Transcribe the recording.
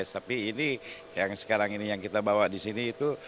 tapi ini yang sekarang ini yang kita bawa di sini itu